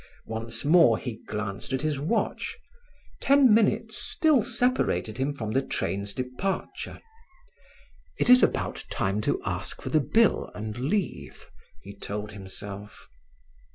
Once more he glanced at his watch: ten minutes still separated him from the train's departure. "It is about time to ask for the bill and leave," he told himself.